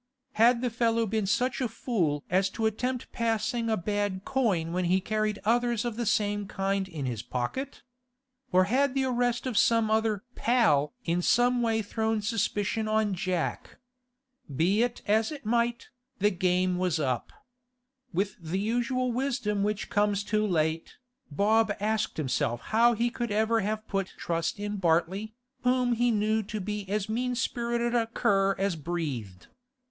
Had the fellow been such a fool as to attempt passing a bad coin when he carried others of the same kind in his pocket? Or had the arrest of some other 'pal' in some way thrown suspicion on Jack? Be it as it might, the game was up. With the usual wisdom which comes too late, Bob asked himself how he could ever have put trust in Bartley, whom he knew to be as mean spirited a cur as breathed.